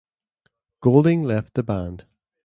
Golding left the band.